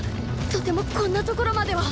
とてもこんな所までは！